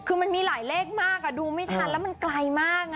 คือมันมีหลายเลขมากดูไม่ทันแล้วมันไกลมาก